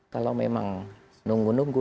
kalau memang nunggu nunggu